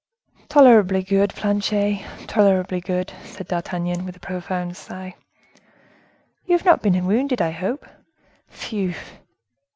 "Tolerably good, Planchet, tolerably good!" said D'Artagnan, with a profound sigh. "You have not been wounded, I hope?" "Phew!"